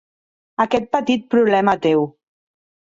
Aquest petit problema teu.